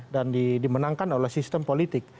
dan dimenangkan oleh sistem politik